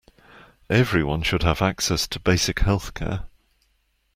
Everyone should have access to basic health-care.